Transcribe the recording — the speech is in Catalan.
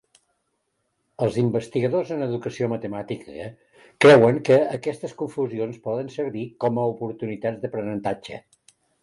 Els investigadors en educació matemàtica creuen que aquestes confusions poden servir com a oportunitats d'aprenentatge.